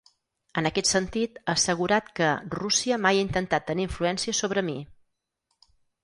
En aquest sentit, ha assegurat que “Rússia mai ha intentat tenir influència sobre mi”.